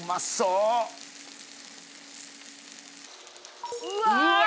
うわ！